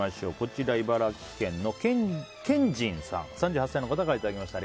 茨城県の３８歳の方からいただきました。